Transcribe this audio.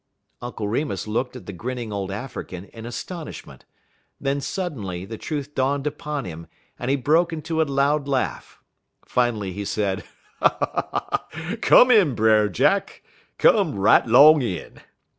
Uncle Remus looked at the grinning old African in astonishment. Then suddenly the truth dawned upon him and he broke into a loud laugh. Finally he said: "Come in, Brer Jack! Come right 'long in.